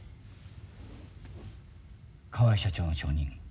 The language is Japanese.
河合社長の承認